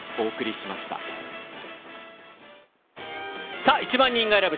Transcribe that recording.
さあ、１万人が選ぶ！